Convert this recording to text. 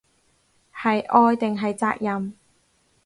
係愛定係責任